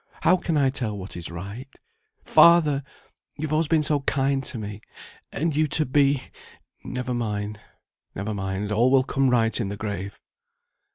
How can I tell what is right? Father! you have always been so kind to me, and you to be never mind never mind, all will come right in the grave."